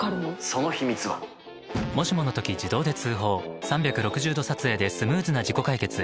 そのヒミツは３６０°撮影でスムーズな事故解決へそれが「プレドラ」